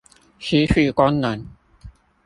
失去功能